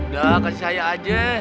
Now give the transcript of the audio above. gak kasih saya aja